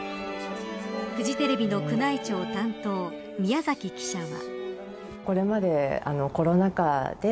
フジテレビの宮内庁担当宮崎記者は。